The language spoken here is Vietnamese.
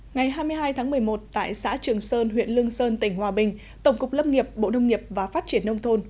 ngày hai mươi hai tháng một mươi một tại xã trường sơn huyện lương sơn tỉnh hòa bình tổng cục lâm nghiệp bộ nông nghiệp và phát triển nông thôn